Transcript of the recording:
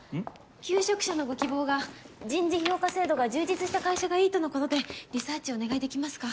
求職者のご希望が人事評価制度が充実した会社がいいとのことでリサーチお願いできますか？